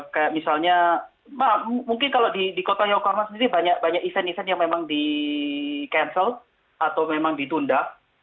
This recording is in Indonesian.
kayak misalnya mungkin kalau di kota yokorma sendiri banyak event event yang memang di cancel atau memang ditunda